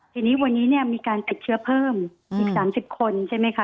ทีนี้วันนี้เนี่ยมีการติดเชื้อเพิ่มอีก๓๐คนใช่ไหมคะ